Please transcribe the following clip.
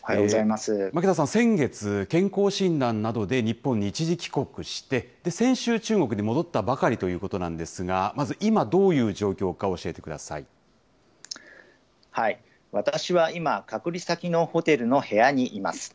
巻田さん、先月、健康診断などで日本に一時帰国して、先週、中国に戻ったばかりということなんですが、まず今、どういう状況私は今、隔離先のホテルの部屋にいます。